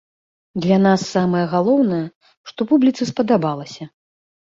Для нас самае галоўнае, што публіцы спадабалася.